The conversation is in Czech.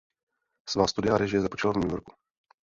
Svá studia režie započal v New Yorku.